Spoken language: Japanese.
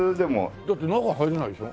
だって中入れないでしょ？